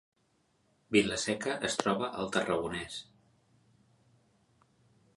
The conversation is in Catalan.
Vila-seca es troba al Tarragonès